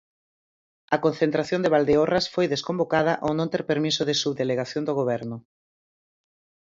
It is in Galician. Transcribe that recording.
A concentración de Valdeorras foi desconvocada ao non ter permiso de subdelegación do goberno.